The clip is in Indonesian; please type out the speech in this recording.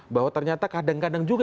bahwa ternyata kadang kadang juga